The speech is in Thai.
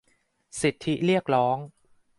สิทธิเรียกร้อง